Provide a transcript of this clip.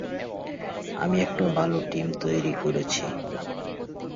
আমি একটা ভালো টিম তৈরি করেছি।